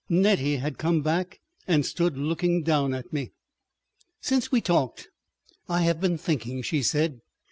Nettie had come back and stood looking down at me. "Since we talked I have been thinking," she said.